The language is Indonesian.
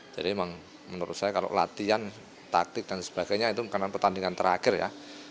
jadi memang menurut saya kalau latihan taktik dan sebagainya itu karena pertandingan terakhir ya